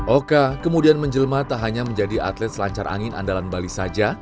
oka kemudian menjelma tak hanya menjadi atlet selancar angin andalan bali saja